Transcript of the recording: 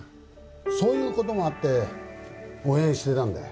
そういう事もあって応援してたんだよ。